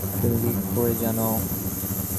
তুমি কী করে জানো?